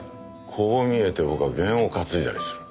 こう見えて僕は験を担いだりする。